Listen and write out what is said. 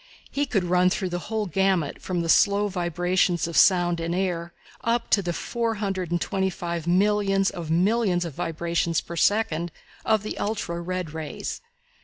He could run through the whole gamut from the slow vibrations of sound in air up to the four hundred and twenty five millions of millions of vibrations per second of the ultra red rays.